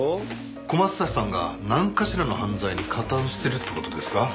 小松崎さんが何かしらの犯罪に加担してるって事ですか？